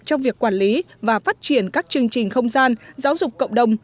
trong việc quản lý và phát triển các chương trình không gian giáo dục cộng đồng